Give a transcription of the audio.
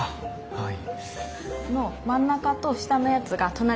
はい。